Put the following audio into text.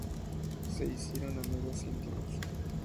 Se hicieron amigos íntimos.